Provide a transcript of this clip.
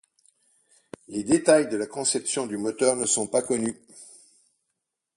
Les détails de la conception du moteur ne sont pas connus.